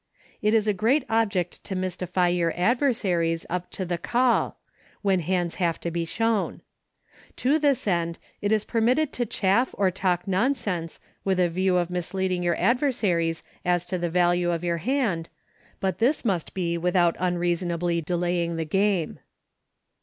It is a great object to mys tify your adversaries up to the u call," when hands have to be shown. To this end it is mitted to chad' 1 or talk nonsense, with a view of misleading your adversaries as to the value of your hand, but this must be without unreasonably delaying the game.